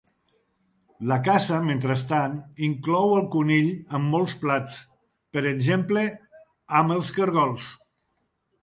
La caça mentrestant inclou el conill en molts plats, per exemple amb els caragols.